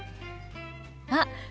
あっ！